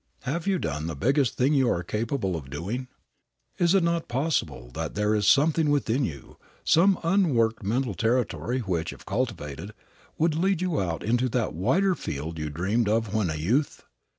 Have you done the biggest thing you are capable of doing? Is it not possible that there is something within you, some unworked mental territory which, if cultivated, would lead you out into that wider field you dreamed of when a youth?